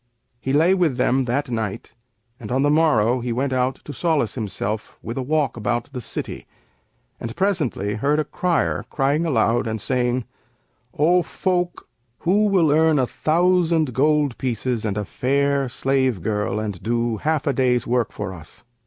'[FN#558] He lay with them that night and on the morrow he went out to solace himself with a walk about the city and presently heard a crier crying aloud and saying, 'O folk, who will earn a thousand gold pieces and a fair slave girl and do half a day's work for us?'